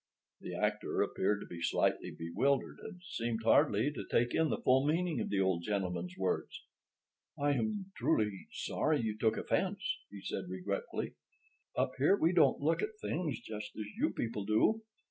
The actor appeared to be slightly bewildered, and seemed hardly to take in the full meaning of the old gentleman's words. "I am truly sorry you took offense," he said regretfully. "Up here we don't look at things just as you people do.